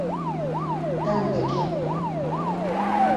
Ew dikin